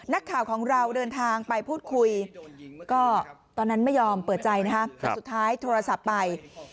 นักข่าวของเราเดินทางไปพูดคุยก็ตอนนั้นไม่ยอมเปิดใจนะคะแต่สุดท้ายโทรศัพท์ไป